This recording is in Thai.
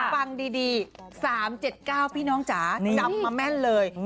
ฟังดี๓๗๙พี่น้องจ๋าจับมาแม่นเลย